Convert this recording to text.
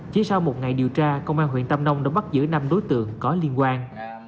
chỉ sau một ngày điều tra công an huyện tam nông đã bắt giữ năm đối tượng có liên quan